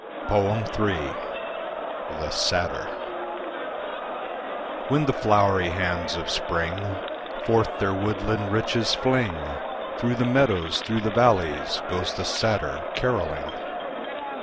III. The Satyr When the flowery hands of spring Forth their woodland riches fling, Through the meadows, through the valleys Goes the satyr carolling.